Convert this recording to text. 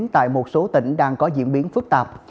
tại một số tỉnh đang có diễn biến phức tạp